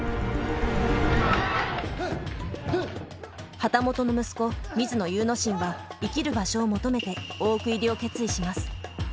旗本の息子水野祐之進は生きる場所を求めて大奥入りを決意します。